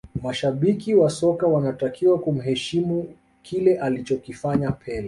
mashabiki wa soka wanatakiwa kumheshimu kile alichokifanya pele